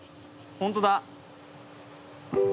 本当だ。